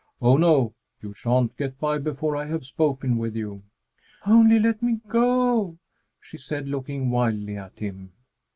"Oh, no! You sha'n't get by before I have spoken with you." "Only let me go!" she said, looking wildly at him.